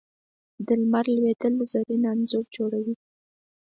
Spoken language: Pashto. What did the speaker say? د لمر لوېدل زرین انځور جوړوي